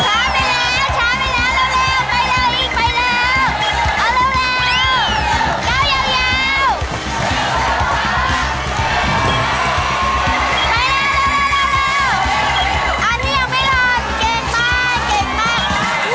อันนี้ยังไม่รอดเก่งมากเก่งมาก